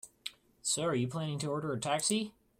So, are you planning to order a taxi?